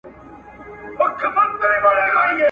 رسمي مراسم ځانګړی ارزښت لري.